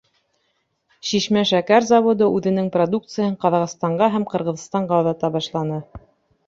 Шишмә шәкәр заводы үҙенең продукцияһын Ҡаҙағстанға һәм Ҡырғыҙстанға оҙата башланы.